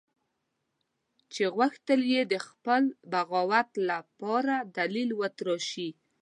چې غوښتل یې د خپل بغاوت لپاره دلیل وتراشي.